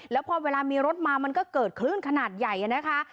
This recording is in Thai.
แล้วพอเวลามีรถมาก็เกิดขึ้นขนาดใหญ่ครับ